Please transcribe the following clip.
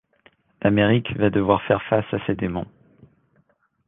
L'Amérique va devoir faire face à ses démons…